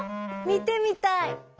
みてみたい。